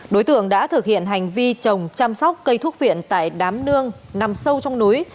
đối tượng đã thực hiện hành vi trồng chăm sóc cây thuốc viện tại đám nương nằm sâu trong núi